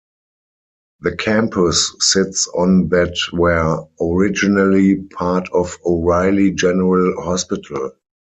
The campus sits on that were originally part of O'Reilly General Hospital.